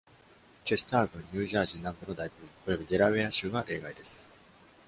チェスター郡、ニュージャージー南部の大部分、およびデラウェア州は例外です。